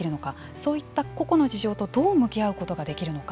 そういった個々の事情とどう向き合うことができるのか。